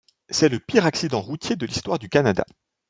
C'est le pire accident routier de l'histoire du Canada.